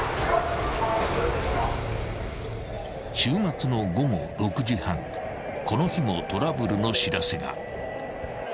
［週末の午後６時半この日もトラブルの知らせが］